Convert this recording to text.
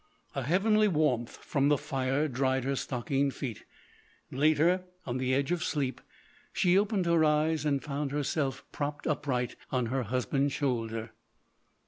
A heavenly warmth from the fire dried her stockinged feet. Later, on the edge of sleep, she opened her eyes and found herself propped upright on her husband's shoulder.